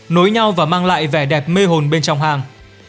nối nhau và mang lại vẻ đẹp mê hồn bên trong hang